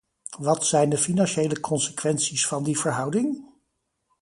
Wat zijn de financiële consequenties van die verhouding?